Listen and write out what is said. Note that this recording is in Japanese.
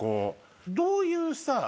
どういうさ